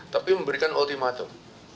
tapi memberikan ultimatum